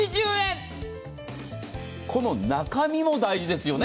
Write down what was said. この中身も大事ですよね。